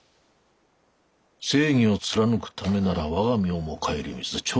正義を貫くためなら我が身をも顧みず猪突猛進。